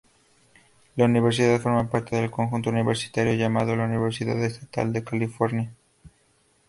La universidad forma parte del conjunto universitario llamado la Universidad Estatal de California.